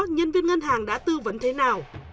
nhân viên ngân hàng đã tư vấn thế nào